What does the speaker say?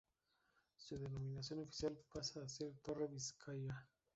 Su denominación oficial pasa a ser "Torre Bizkaia".